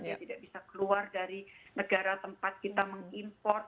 dia tidak bisa keluar dari negara tempat kita mengimport